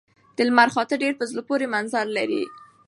د لمر خاته ډېر په زړه پورې منظر لري.